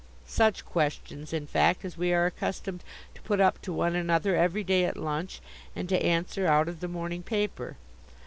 Such questions, in fact, as we are accustomed to put up to one another every day at lunch and to answer out of the morning paper.